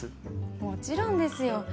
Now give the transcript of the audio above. もちろんですよ。